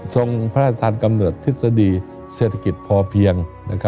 ทรงพระราชทานกำเนิดทฤษฎีเศรษฐกิจพอเพียง